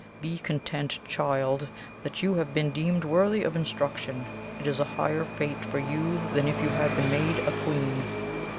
Be content, child, that YOU have been deemed worthy of instruction it is a higher fate for you than if you had been made a Queen."